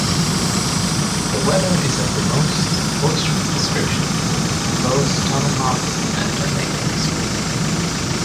The weather is of the most boisterous description; it blows tomahawks and tornadoes.